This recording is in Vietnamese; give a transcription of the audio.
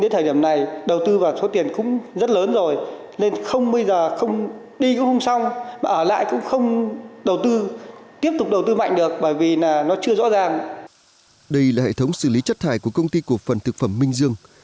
đây là hệ thống xử lý chất thải của công ty cổ phần thực phẩm minh dương